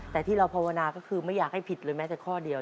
แต่ที่เราภาวนาก็คือไม่อยากให้ผิดเลยแม้แต่ข้อเดียว